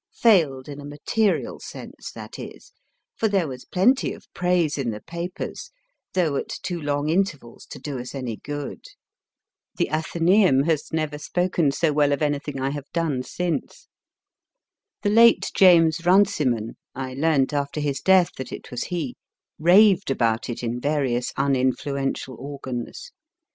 Failed in a material sense, that is ; for there was plenty of praise in the papers, though at too long intervals to do us any good. The A tlienczuin has never spoken so well of anything I have done since. The late James Runciman (I learnt after his death that it was he) raved about it in various uninfluential organs.